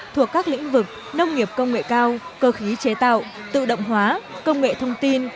thuộc các lĩnh vực nông nghiệp công nghệ cao cơ khí chế tạo tự động hóa công nghệ thông tin